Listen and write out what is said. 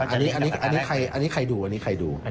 อันนี้ใครดู